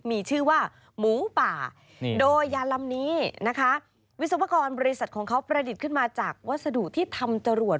มีชื่อว่าหมูป่าโดยยาลำนี้นะคะวิศวกรบริษัทของเขาประดิษฐ์ขึ้นมาจากวัสดุที่ทำจรวด